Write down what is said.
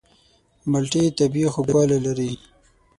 مالټې طبیعي خوږوالی لري.